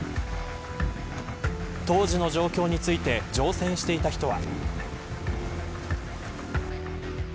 当時の状況について乗船していた人は。